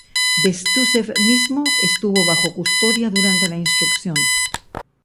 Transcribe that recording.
Bestúzhev mismo estuvo bajo custodia durante la instrucción.